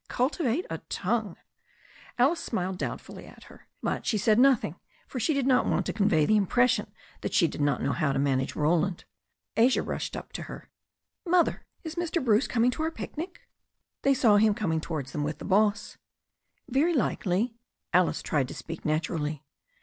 Cultivate a tongue." Alice smiled doubtfully at her. But she said nothing, for she did not want to convey the impression that she did not know how to manage Roland. Asia rushed up to her. ''Mother, is Mr. Bruce coming to our picnic?" They saw him coming towards them with the boss. "Very likely." Alice tried to speak naturally. Mrs.